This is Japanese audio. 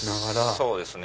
そうですね。